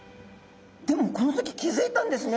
でもこの時気づいたんですね。